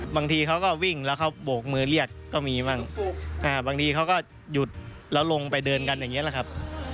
บางทีเขาก็วิ่งแล้วเขาโบกมือเรียกก็มีบ้างบางทีเขาก็หยุดแล้วลงไปเดินกันอย่างนี้แหละครับ